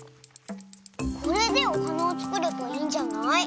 これでおはなをつくればいいんじゃない？